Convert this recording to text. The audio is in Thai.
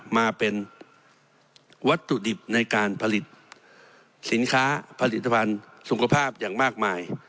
มาเป็นวัตถุดิบในการผลิตสินค้าผลิตภัณฑ์สุขภาพอย่างมากมาย